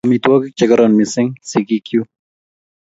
Chope amitwogik che kororon missing' sigik chuk